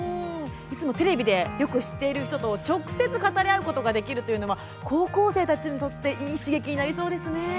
テレビでよく知っている人と直接語り合うことができるというのは高校生たちにとっていい刺激になりそうですね。